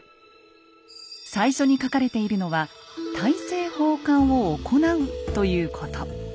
最初に書かれているのは大政奉還を行うということ。